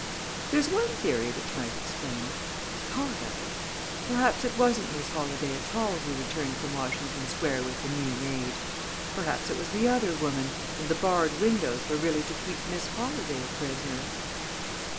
"There's one theory which might explain it part of it. Perhaps it wasn't Miss Holladay at all who returned from Washington Square with the new maid. Perhaps it was the other woman, and the barred windows were really to keep Miss Holladay a prisoner.